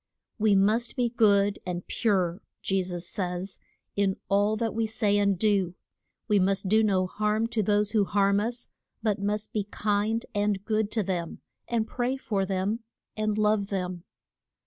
We must be good and pure, Je sus says, in all that we say and do: we must do no harm to those who harm us, but must be kind and good to them, and pray for them, and love them.